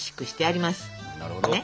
なるほど。